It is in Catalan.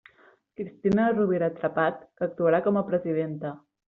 Cristina Rovira Trepat, que actuarà com a presidenta.